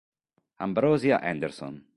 Ambrosia Anderson